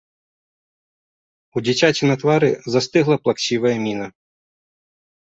У дзіцяці на твары застыгла плаксівая міна.